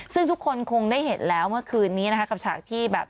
ซึ่งทุกคนคงได้เห็นแล้วเมื่อคืนนี้นะคะกับฉากที่แบบ